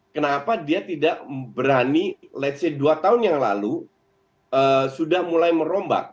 kenapa dia tidak berani let's say dua tahun yang lalu sudah mulai merombak